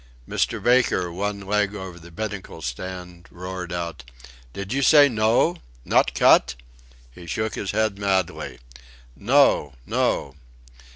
Mr. Baker, one leg over the binnacle stand, roared out: "Did you say no? Not cut?" He shook his head madly. "No! No!"